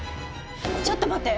ちょっと待って！